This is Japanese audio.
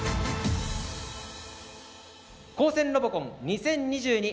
「高専ロボコン２０２２